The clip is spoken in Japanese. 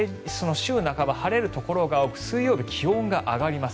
週半ば、晴れるところが多く水曜日、気温が上がります。